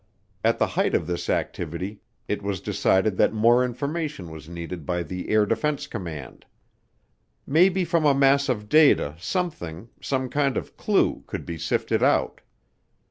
At the height of this activity it was decided that more information was needed by the Air Defense Command. Maybe from a mass of data something, some kind of clue, could be sifted out.